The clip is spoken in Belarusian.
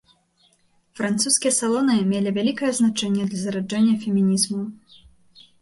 Французскія салоны мелі вялікае значэнне для зараджэння фемінізму.